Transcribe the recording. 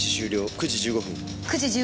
９時１５分。